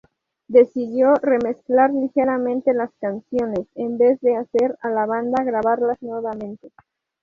Decidió remezclar ligeramente las canciones, en vez de hacer a la banda grabarlas nuevamente.